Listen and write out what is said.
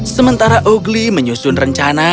sementara ogli menyusun rencana